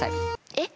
えっ？